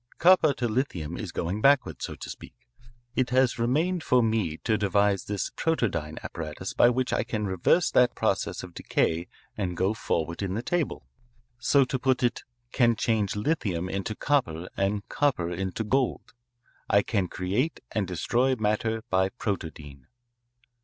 Copper to lithium is going backward, so to speak. It has remained for me to devise this protodyne apparatus by which I can reverse that process of decay and go forward in the table, so to put it can change lithium into copper and copper into gold. I can create and destroy matter by protodyne."